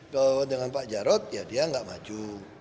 kalau dengan pak jarot ya dia gak maju